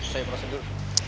saya proses dulu